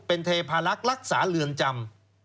เป็นเทพาลักษณ์รักษาเรือนจำ